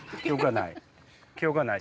記憶がない？